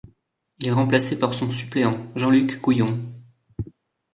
Il est remplacé par son suppléant, Jean-Luc Gouyon.